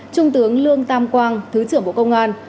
trung tướng lương tam quang thứ trưởng bộ công an